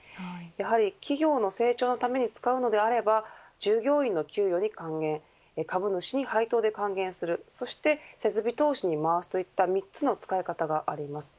やはり企業の成長のために使うのであれば従業員の給与に還元株主に配当で還元するそして設備投資に回すといった３つの使い方があります。